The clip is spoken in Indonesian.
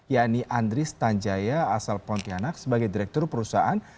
yang ini andris tanjaya asal pontianak sebagai direktur perusahaan